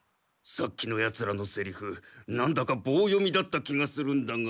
さっきのヤツらのセリフなんだかぼう読みだった気がするんだが。